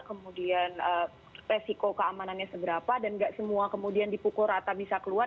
kemudian resiko keamanannya seberapa dan nggak semua kemudian dipukul rata bisa keluar